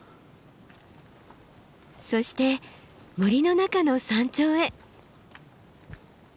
そして森の中の山頂へ。